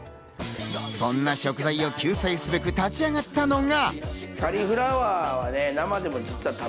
そんな食材を救済すべく立ち上がったのが。